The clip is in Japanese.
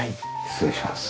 失礼します。